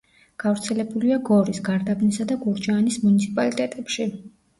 გავრცელებულია გორის, გარდაბნისა და გურჯაანის მუნიციპალიტეტებში.